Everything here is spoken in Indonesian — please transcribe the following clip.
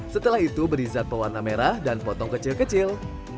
setelah itu berizat pewarna merah dan potong kecil kecil